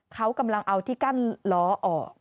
เขากำลังเอาที่กั้นล้อออก